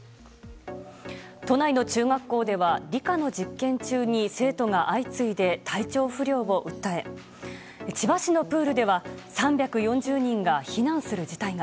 都内の中学校では理科の実験中に生徒が相次いで体調不良を訴え千葉市のプールでは３４０人が避難する事態が。